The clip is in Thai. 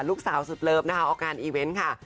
ลูกสาวสุดเลิฟนะคะออกงานอีเวนต์ค่ะ